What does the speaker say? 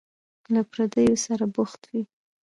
له پردیو سره بوخت وي.